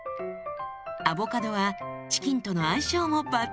アボカドはチキンとの相性も抜群です。